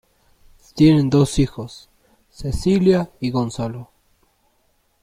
Tienen dos hijos, Cecilia y Gonzalo.